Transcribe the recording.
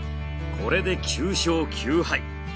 これで９勝９敗。